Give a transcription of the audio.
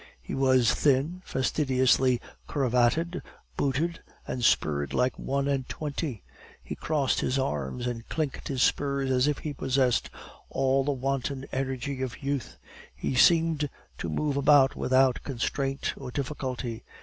He was thin, fastidiously cravatted, booted and spurred like one and twenty; he crossed his arms and clinked his spurs as if he possessed all the wanton energy of youth. He seemed to move about without constraint or difficulty.